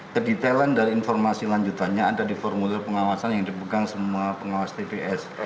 kedetalan dari informasi lanjutannya ada di formulir pengawasan yang dipegang semua pengawas tps